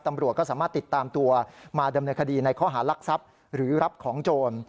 ตำรวจก็สามารถติดตามตัวมาดำเนินคดีในข้อหารักทรัพย์หรือรับของโจร